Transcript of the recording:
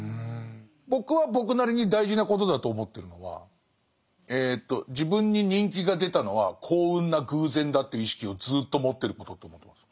僕は僕なりに大事なことだと思ってるのは自分に人気が出たのは幸運な偶然だっていう意識をずっと持ってることと思ってます。